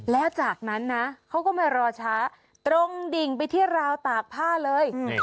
แล้วจากนั้นนะเขาก็ไม่รอช้าตรงดิ่งไปที่ราวตากผ้าเลย